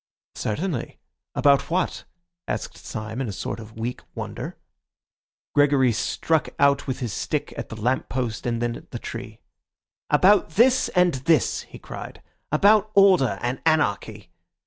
"Certainly. About what?" asked Syme in a sort of weak wonder. Gregory struck out with his stick at the lamp post, and then at the tree. "About this and this," he cried; "about order and anarchy.